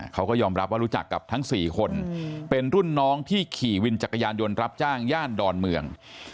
เขาก็ยอมรับว่ารู้จักกับทั้ง๔คนเป็นรุ่นน้องที่ขี่วินจักรยานยนต์รับจ้างย่านดอนเมือง